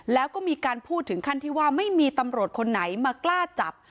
แล้วก็มีการพูดถึงขั้นที่ว่าไม่มีตำรวจคนไหนมากล้าจับ